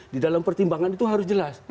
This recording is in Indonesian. di dalam pertimbangan itu harus jelas